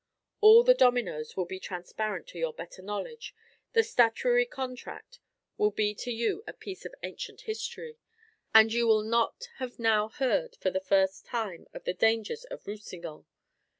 All the dominos will be transparent to your better knowledge; the statuary contract will be to you a piece of ancient history; and you will not have now heard for the first time of the dangers of Roussillon.